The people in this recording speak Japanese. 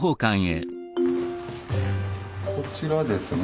こちらですね